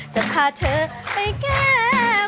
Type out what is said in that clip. จะพาเธอไปแก้ม